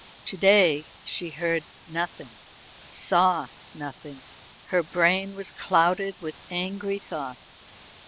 To day she heard nothing, saw nothing. Her brain was clouded with angry thoughts.